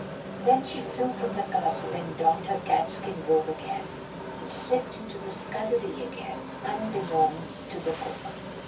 Then she flew from the castle and donned her catskin robe again, and slipped into the scullery again, unbeknown to the cook.